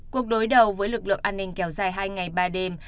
cuộc đối đầu với lực lượng an ninh kéo dài hai ngày ba đêm